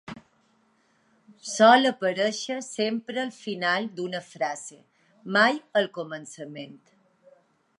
Sol aparèixer sempre al final d'una frase, mai al començament.